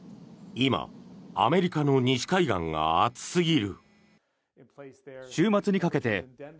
今、アメリカの西海岸が暑すぎる。